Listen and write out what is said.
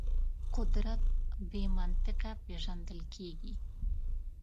قدرت بې منطقه پېژندل کېږي.